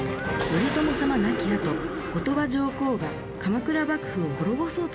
頼朝様亡きあと後鳥羽上皇が鎌倉幕府を滅ぼそうとしたんです。